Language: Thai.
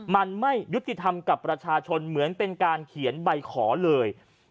มันไม่ยุติธรรมกับประชาชนเหมือนเป็นการเขียนใบขอเลย